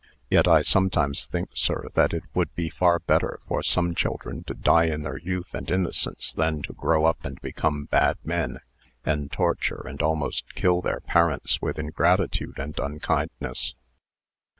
Yet I sometimes think, sir, that it would be far better for some children to die in their youth and innocence, than to grow up and become bad men, and torture and almost kill their parents with ingratitude and unkindness."